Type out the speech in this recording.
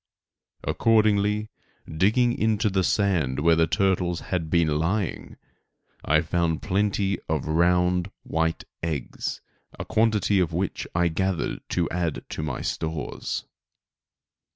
Accordingly, digging into the sand where the turtles had been lying, I found plenty of round white eggs, a quantity of which I gathered to add to my stores.